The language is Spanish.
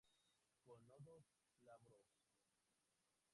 Con nodos glabros.